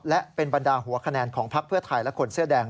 และเป็นบรรดาหัวคะแนนของพักเพื่อไทยและคนเสื้อแดง